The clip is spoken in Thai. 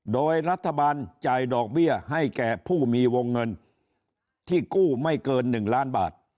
โดยรัฐบาลจ่ายดอกเบี้ยให้แก่ผู้มีวงเงินที่กู้ไม่เกิน๑ล้านบาท